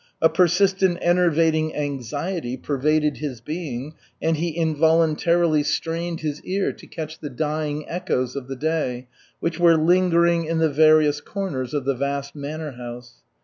A persistent enervating anxiety pervaded his being, and he involuntarily strained his ear to catch the dying echoes of the day, which were lingering in the various corners of the vast manor house.